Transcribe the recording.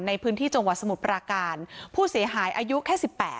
ในพื้นที่จังหวัดสมุทรปราการผู้เสียหายอายุแค่สิบแปด